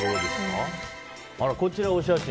こちらがお写真。